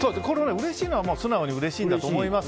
うれしいのは素直にうれしいんだと思います。